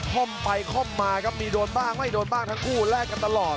ข้อมไปค่อมมาครับมีโดนบ้างไม่โดนบ้างทั้งคู่แลกกันตลอด